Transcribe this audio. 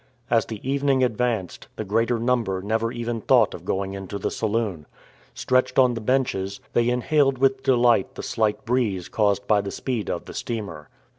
As the evening advanced, the greater number never even thought of going into the saloon. Stretched on the benches, they inhaled with delight the slight breeze caused by the speed of the steamer.